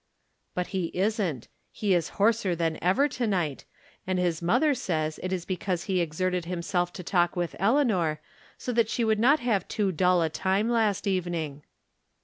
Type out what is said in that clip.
But he isn't ; he is hoarser than ever to night, and his mother says it is because he exerted him self to talk with Eleanor, so that she would not have too dull a time last evening.